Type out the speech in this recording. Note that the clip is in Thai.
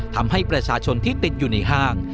ทำให้ประชาชนที่ติดอยู่ในห้าง